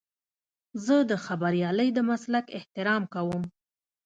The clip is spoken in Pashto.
زه د خبریالۍ د مسلک احترام کوم.